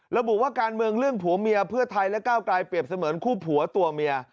ระบุว่าการเมืองเรื่องผัวเมียเพื่อไทยและก้าวกลายเปรียบเสมือนคู่ผัวตัวเมีย